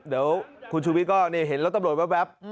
เดี๋ยวคุณชูวิทย์ก็เห็นรถตำรวจแว๊บ